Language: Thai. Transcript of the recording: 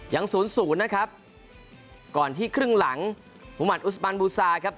ศูนย์ศูนย์นะครับก่อนที่ครึ่งหลังมุมัติอุสปันบูซาครับ